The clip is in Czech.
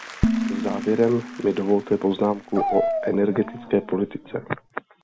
Závěrem mi dovolte poznámku o energetické politice.